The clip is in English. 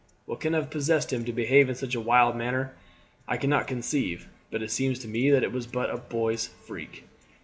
What can have possessed him to behave in such a wild manner I cannot conceive, but it seems to me that it was but a boy's freak."